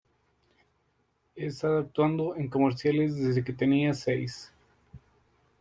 Ha estado actuando en comerciales desde que tenía seis.